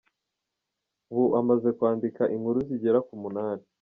Ubu amaze kwandika inkuru zigera ku munani.